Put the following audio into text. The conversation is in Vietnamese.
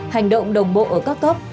hành động đồng bộ ở các cấp